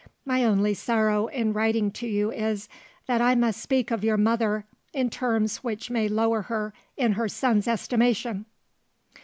My only sorrow in writing to you is, that I must speak of your mother in terms which may lower her in her son's estimation."